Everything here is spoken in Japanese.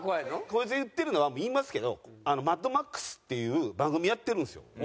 こいつが言ってるのはもう言いますけど『マッドマックス』っていう番組やってるんですよ。